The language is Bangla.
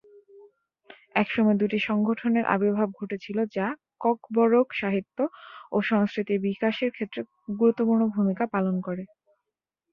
এসময় দুটি সংগঠনের আবির্ভাব ঘটেছিল যা ককবরক সাহিত্য ও সংস্কৃতির বিকাশের ক্ষেত্রে গুরুত্বপূর্ণ ভূমিকা পালন করে।